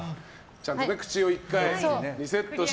ちゃんと口を１回リセットして。